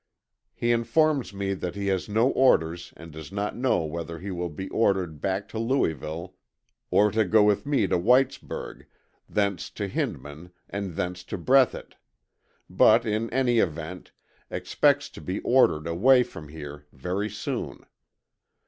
He informs me that he has no orders and does not know whether he will be ordered back to Louisville or to go with me to Whitesburg, thence to Hindman and thence to Breathitt; but, in any event, expects to be ordered away from here very soon.